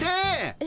え？